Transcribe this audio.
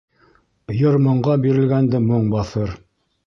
Йыр-моңға бирелгәнде моң баҫыр.